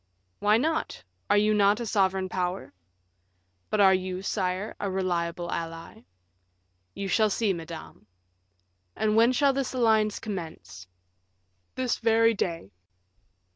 "Why not? Are you not a sovereign power?" "But are you, sire, a reliable ally?" "You shall see, madame." "And when shall this alliance commence?" "This very day."